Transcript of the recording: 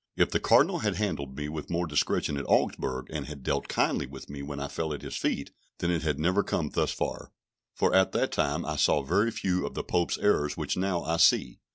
If the Cardinal had handled me with more discretion at Augsburg, and had dealt kindly with me when I fell at his feet, then it had never come thus far; for at that time I saw very few of the Pope's errors which now I see.